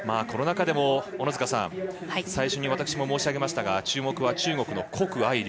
この中でも、小野塚さん最初に私も申し上げましたが注目は中国の谷愛